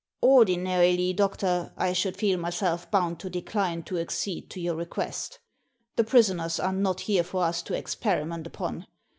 Ordinarily, doctor, I should feel myself bound to decline to accede to your request The prisoners are not here for us to experiment upon.